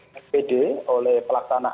spd oleh pelaksanaan